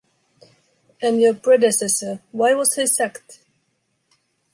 And your predecessor, why was he sacked?